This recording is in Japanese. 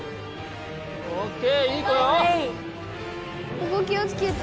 ここ気をつけて。